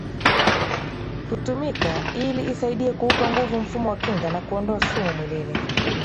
Hutumika ili isaidie kuupa nguvu mfumo wa kinga na kuondoa sumu mwilini